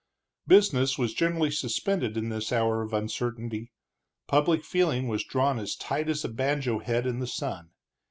Business was generally suspended in this hour of uncertainty, public feeling was drawn as tight as a banjo head in the sun.